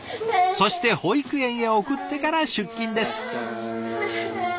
そして保育園へ送ってから出勤です。